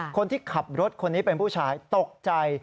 คนที่ขับรถคนนี้เป็นผู้ชายตกใจ